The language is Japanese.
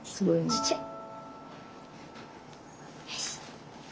ちっちゃい！